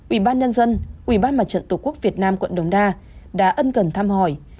ủy ban nhân dân ủy ban mặt trận tổ quốc việt nam quận đống đa đã ân cần thăm hỏi